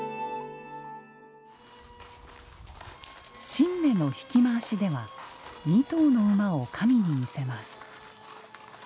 神馬の引き回しでは２頭の馬を神に見せます。